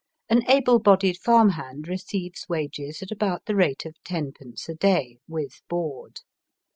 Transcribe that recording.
An able bodied farm hand receives wages at about the rate of tenpence a day, with board.